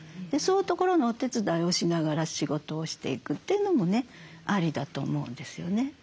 そういうところのお手伝いをしながら仕事をしていくというのもねありだと思うんですよね。